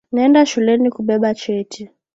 Naenda shuleni kubeba cheti